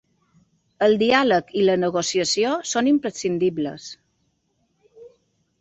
El diàleg i la negociació són imprescindibles.